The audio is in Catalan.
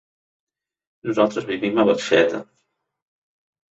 Nosaltres vivim a Barxeta.